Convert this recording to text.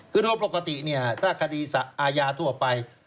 คือโดยปกติเนี่ยถ้าคดีอาญาทั่วไป